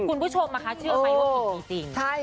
คุณผู้ชมนะคะเชื่อไหมว่าผิดจริง